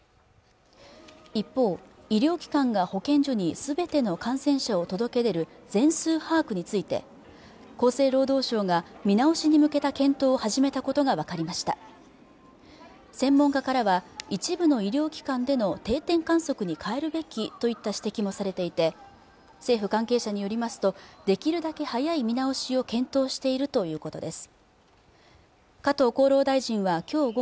一方医療機関が保健所にすべての感染者を届け出る全数把握について厚生労働省が見直しに向けた検討を始めたことが分かりました専門家からは一部の医療機関での定点観測に変えるべきといった指摘もされていて政府関係者によりますとできるだけ早い見直しを検討しているということです